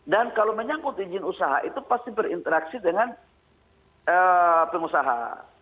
dan kalau menyangkut izin usaha itu pasti berinteraksi dengan pengusaha